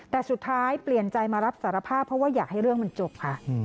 แต่สุดท้ายเปลี่ยนใจมารับสารภาพเพราะว่าอยากให้เรื่องมันจบค่ะ